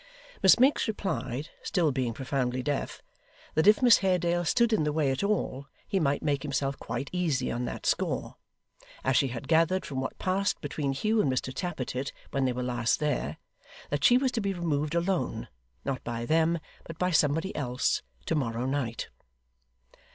Miss Miggs replied (still being profoundly deaf) that if Miss Haredale stood in the way at all, he might make himself quite easy on that score; as she had gathered, from what passed between Hugh and Mr Tappertit when they were last there, that she was to be removed alone (not by them, but by somebody else), to morrow night.